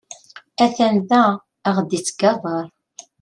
Atan da, aɣ-d ittgabaṛ.